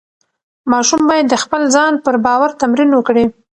ماشوم باید د خپل ځان پر باور تمرین وکړي.